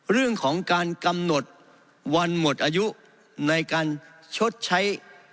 เรื่องของการกำหนดวันหมดอายุในการชดใช้